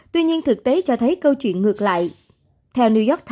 tuy nhiên thực tế cho thấy câu chuyện ngược lại theo new york times